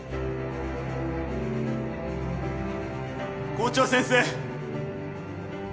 ・校長先生。